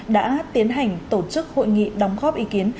đã tiến hành tổ chức hội nghị đóng góp ý kiến